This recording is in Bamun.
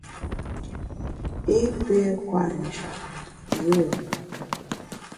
I pi kwet njap yùe ngap.